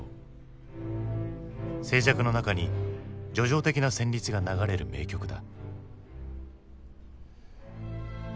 静寂の中に叙情的な旋律が流れる名曲だ。